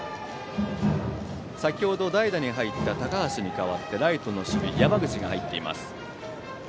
先程、代打に入った高橋に代わってライトの守備山口が入っています。